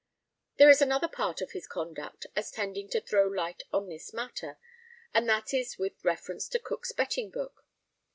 There is another part of his conduct as tending to throw light on this matter, and that is with reference to Cook's betting book.